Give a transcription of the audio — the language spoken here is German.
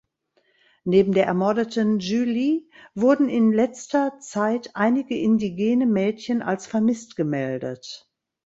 Neben der ermordeten Julie wurden in letzter Zeit einige indigene Mädchen als vermisst gemeldet.